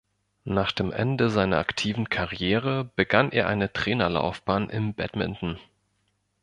Nach dem Ende seiner aktiven Karriere begann er eine Trainerlaufbahn im Badminton.